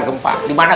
gempak di mana